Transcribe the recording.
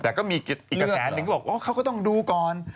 แต่ก็มีอีกกระแสหนึ่งก็บอกว่าเขาก็ต้องดูก่อน